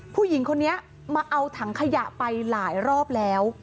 ผู้หญิงคนนี้มาเอาถังขยะไปหลายรอบแล้ว